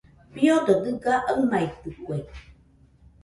Fiodo dɨga aɨmaitɨkue.